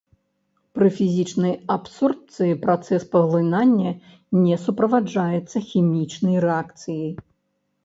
Пры фізічнай абсорбцыі працэс паглынання не суправаджаецца хімічнай рэакцыяй.